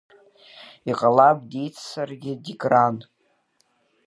Иҟалап, диццаргьы Дикран…